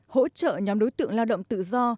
hỗ trợ nhóm đối tượng lao động tự do